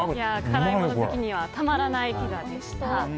辛いもの好きにはたまらないピザでした。